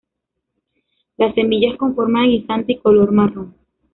Las semillas con forma de guisante y color marrón.